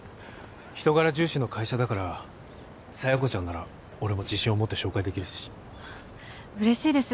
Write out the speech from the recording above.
人柄重視の会社だから佐弥子ちゃんなら俺も自信を持って紹介できるし嬉しいです